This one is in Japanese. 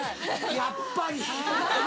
やっぱり！